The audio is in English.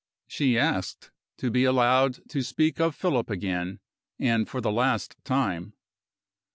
She asked to be allowed to speak of Philip again, and for the last time.